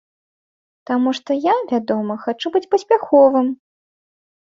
Таму што я, вядома, хачу быць паспяховым.